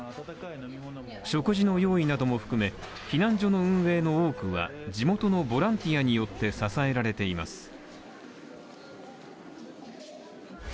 食事の用意なども含めて避難所の運営の多くは、地元のボランティアによって支えられています